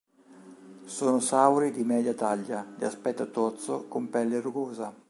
Sono sauri di media taglia, di aspetto tozzo, con pelle rugosa.